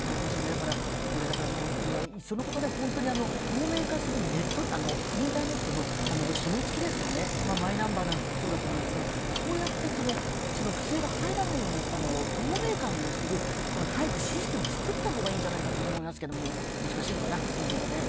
だから、いっそのこと、透明化するインターネットのひもつきですよね、マイナンバーもそうだと思うんですけど、そうやって、不正が入らないような透明感がある早くシステムを作った方がいいと思いますけど、難しいのかな。